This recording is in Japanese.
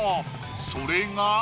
それが。